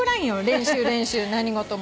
練習練習何ごとも。